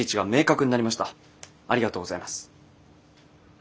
ありがとうございます。